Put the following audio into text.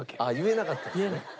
ああ言えなかったんですね。